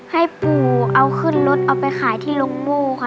ให้ปู่เอาขึ้นรถเอาไปขายที่โรงโม่ค่ะ